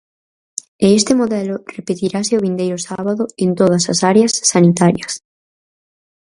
E este modelo repetirase o vindeiro sábado en todas as áreas sanitarias.